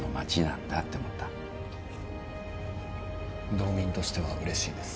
道民としてはうれしいです。